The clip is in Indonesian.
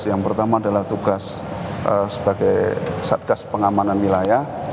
yang pertama adalah tugas sebagai satgas pengamanan wilayah